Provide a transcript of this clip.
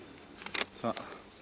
さあ